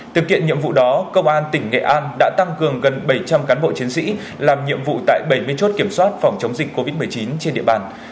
thực hiện nhiệm vụ đó công an tỉnh nghệ an đã tăng cường gần bảy trăm linh cán bộ chiến sĩ làm nhiệm vụ tại bảy mươi chốt kiểm soát phòng chống dịch covid một mươi chín trên địa bàn